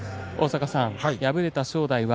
敗れた正代です。